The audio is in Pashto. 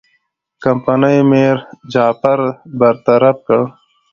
کمپنۍ میرجعفر برطرف کړ.